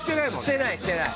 してないしてない。